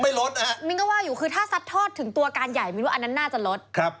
ไม่ลดมิก็ว่าอยู่คือถ้าซัดทอดถึงตัวการใหญ่ไม่รู้ว่านั้นน่าจะลด